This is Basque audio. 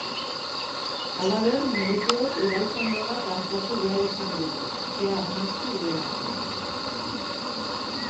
Halaber, medikuek udaltzaingo bat artatu behar izan dute, kea arnastu duelako.